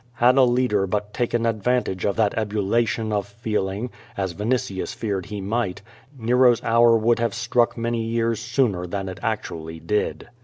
Had a leader but taken advantage of that ebulli tion of feeling, as Vinitius feared he might, Nero's hour would have struck many years sooner than it actually did.